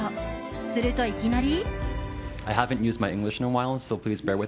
すると、いきなり。